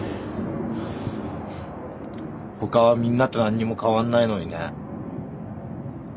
他はみんなと何にも変わんないのにね。